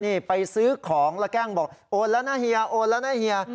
นี่ไปซื้อของแล้วแกล้งบอกโอนแล้วนะเฮียโอนแล้วนะเฮีย